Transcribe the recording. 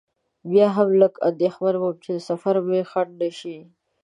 بیا هم لږ اندېښمن وم چې سفر مې خنډ نه شي.